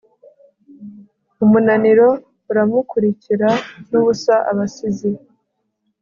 umunaniro uramukurikira nubusa abasizi